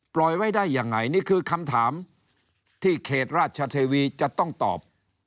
ปล่อยไว้ได้ยังไงนี่คือคำถามที่เขตราชเทวีจะต้องตอบ